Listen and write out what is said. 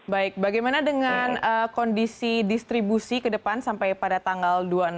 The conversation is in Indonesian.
baik bagaimana dengan kondisi distribusi ke depan sampai pada tanggal dua puluh enam